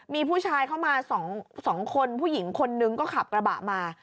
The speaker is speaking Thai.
มีผู้ชายเข้ามา๒คนผู้หญิงคนนึงก็ขับกระบะมา